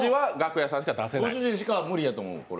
ご主人しか無理やと思う。